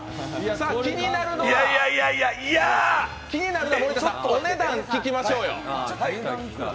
気になるのは森田さん、お値段聞きましょうよ。